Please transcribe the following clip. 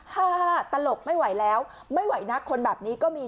ห้าตลกไม่ไหวแล้วไม่ไหวนะคนแบบนี้ก็มี